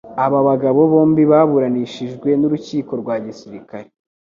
Aba bagabo bombi baburanishijwe n’urukiko rwa gisirikare.